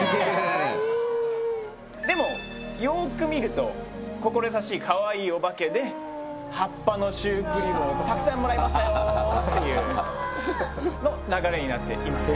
かわいいでもよーく見ると心優しいかわいいおばけで葉っぱのシュークリームをたくさんもらいましたよというの流れになっています